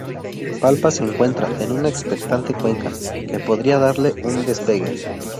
Palpa se encuentra en una expectante cuenca, que podría darle un despegue.